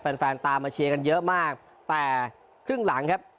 แฟนแฟนตามมาเชียร์กันเยอะมากแต่ครึ่งหลังครับ